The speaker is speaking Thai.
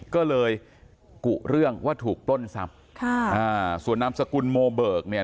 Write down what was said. ก็เลยกุเรื่องว่าถูกปล้นทรัพย์ค่ะอ่าส่วนนามสกุลโมเบิกเนี่ย